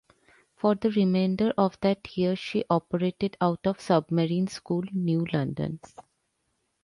For the remainder of that year she operated out of Submarine School, New London.